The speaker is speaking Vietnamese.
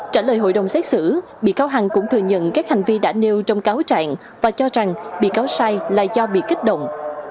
trả lời hội đồng xét xử bị cáo hàng cũng thừa nhận các hành vi đã nêu trong cáo trạng và cho rằng bị cáo sai là do bị kích động